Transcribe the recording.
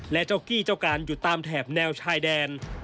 และเจ้ากี้เจ้าการอยู่ตามแถบแนวชายแดน